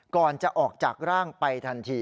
ก่อนจะออกจากร่างไปทันที